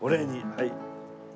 はい。